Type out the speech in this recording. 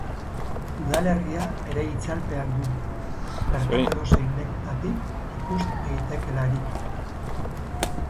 Udalerria bere itzalpean du, bertako edozein lekutatik ikus daitekeelarik.